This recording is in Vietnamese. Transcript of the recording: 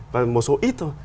và một số ít thôi